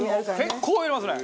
結構入れますね！